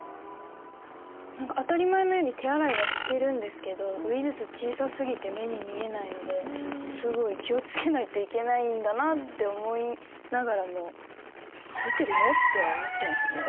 何か当たり前のように手洗いはしてるんですけどウイルス小さすぎて目に見えないのですごい気を付けないといけないんだなって思いながらも「ついてるの？」っては思っちゃいますね。